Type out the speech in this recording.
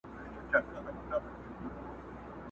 د دنیا له کوره تاته ارمانجن راغلی یمه!!